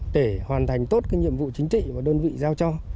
để hoàn thành tốt nhiệm vụ chính trị và đơn vị giao cho